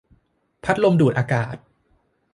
พัดลมดูดอากาศ